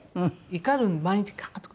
怒る毎日カーッと。